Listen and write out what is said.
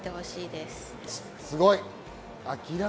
すごい！